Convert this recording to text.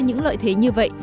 những lợi thế như vậy